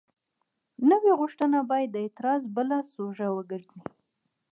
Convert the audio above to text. نوې غوښتنه باید د اعتراض بله سوژه وګرځي.